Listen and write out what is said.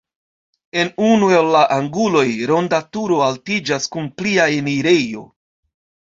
En unu el la anguloj ronda turo altiĝas kun plia enirejo.